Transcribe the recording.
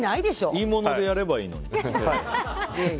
いいものでやればいいのに。